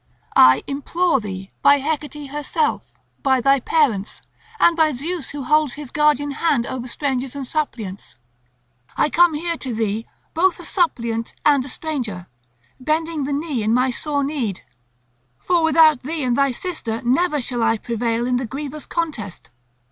I implore thee by Hecate herself, by thy parents, and by Zeus who holds his guardian hand over strangers and suppliants; I come here to thee both a suppliant and a stranger, bending the knee in my sore need. For without thee and thy sister never shall I prevail in the grievous contest.